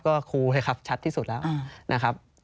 ก็ครูให้ครับชัดที่สุดแล้วนะครับ